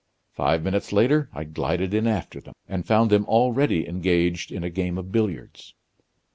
Five minutes later I glided in after them; and found them already engaged in a game of billiards."